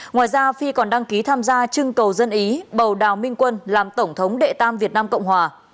ngoài ra phi còn đăng ký tham gia trưng cầu dân ý bầu đào minh quân làm tổng thống đệ tam việt nam cộng hòa